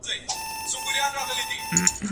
سرتیرو د هیواد لپاره سرښندنې کولې.